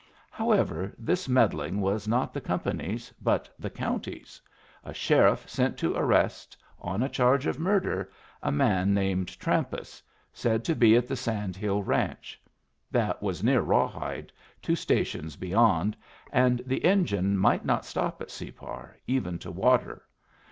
However, this meddling was not the company's, but the county's; a sheriff sent to arrest, on a charge of murder, a man named Trampas, said to be at the Sand Hill Ranch. That was near Rawhide, two stations beyond, and the engine might not stop at Separ, even to water.